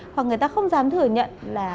hoặc người ta không dám thừa nhận là